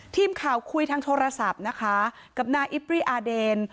ทีมข่าวคุยทางโทรศัพท์นะคะกับนายอิปรีอาเดน